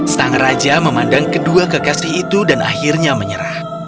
sang raja memandang kedua kekasih itu dan akhirnya menyerah